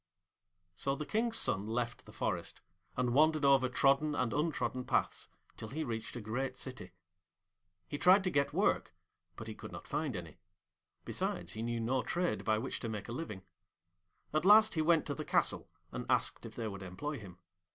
So the King's son left the forest, and wandered over trodden and untrodden paths till he reached a great city. He tried to get work, but he could not find any; besides, he knew no trade by which to make a living. At last he went to the castle and asked if they would employ him.